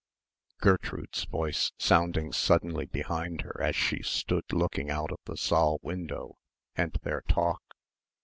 Gertrude's voice sounding suddenly behind her as she stood looking out of the saal window and their talk.